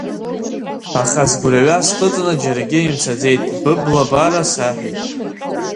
Аха сгәырҩа схыҵны џьаргьы имцаӡеит, быблабара саҳәеит…